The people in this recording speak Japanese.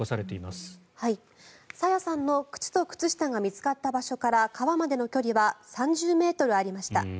朝芽さんの靴と靴下が見つかった場所から川までの距離は３０ｍありました。